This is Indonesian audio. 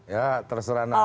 ya terserah nama lah